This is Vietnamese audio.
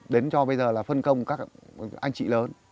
đến cho bây giờ là phân công các anh chị lớn